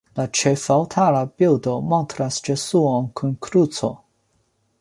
La ĉefaltara bildo montras Jesuon kun kruco.